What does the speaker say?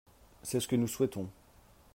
C’est ce que nous souhaitons.